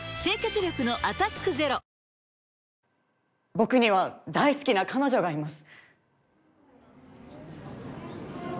僕には大好きな彼女がいます。